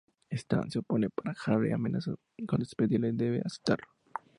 Stan se opone pero Hayley amenaza con despedirlo y debe aceptarlo.